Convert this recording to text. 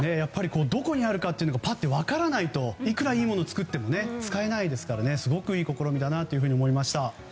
どこにあるかがぱっと分からないといくらいいものを作っても使えないですからすごくいい試みだなと思いました。